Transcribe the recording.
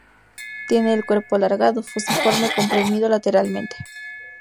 Tiene el cuerpo alargado, fusiforme, comprimido lateralmente.